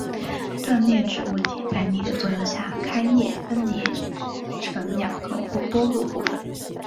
断裂指物体在力的作用下开裂分离成两个或多个部分。